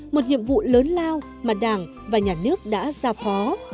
một nhiệm vụ lớn lao mà đảng và nhà nước đã giao phó